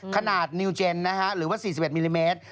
ขนาดนิวเจนนะฮะหรือว่า๔๑มิลลิเมตร